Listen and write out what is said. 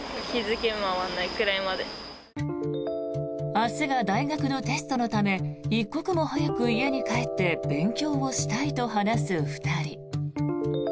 明日が大学のテストのため一刻も早く家に帰って勉強をしたいと話す２人。